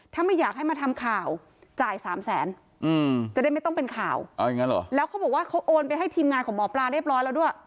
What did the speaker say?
ถ้าไม่อยากให้มาทำข่าวจ่ายสามแสนจะได้ไม่ต้องเป็นข่าวแล้วเขาบอกว่าเขาโอนไปให้ทีมงานของหมอปลาเรียบร้อยแล้วด้วย